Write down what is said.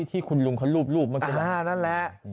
ที่คุณลุงเขารูปเมื่อกี้นั่นแหละ